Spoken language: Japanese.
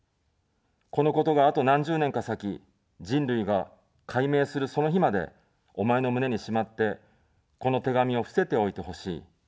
このことが、あと何十年か先、人類が解明するその日まで、お前の胸にしまって、この手紙を伏せておいてほしい。